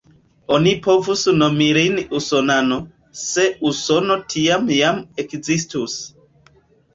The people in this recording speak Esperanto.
Oni povus nomi lin usonano, se Usono tiam jam ekzistus.